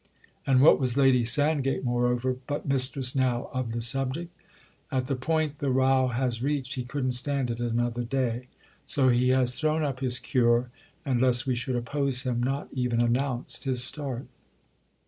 And what was Lady Sandgate moreover but mistress now of the subject? "At the point the row has reached he couldn't stand it another day; so he has thrown up his cure and—lest we should oppose him!—not even announced his start."